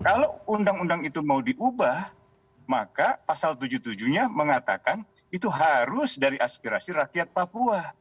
kalau undang undang itu mau diubah maka pasal tujuh puluh tujuh nya mengatakan itu harus dari aspirasi rakyat papua